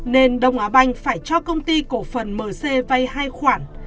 nên đông á banh phải cho công ty cổ phần mc vay hai khoản